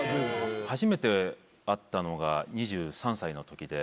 初めて会ったのが２３歳のときで。